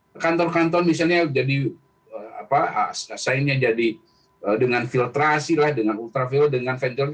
nah kalau kita menonton misalnya asainya jadi dengan filtrasi lah dengan ultraviolet dengan ventilasi